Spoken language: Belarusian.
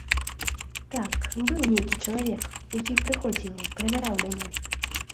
Так, быў нейкі чалавек, які прыходзіў, правяраў мяне.